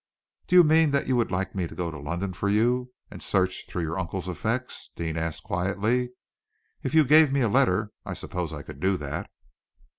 "Do you mean that you would like me to go to London for you, and search through your uncle's effects?" Deane asked quietly. "If you gave me a letter, I suppose I could do that."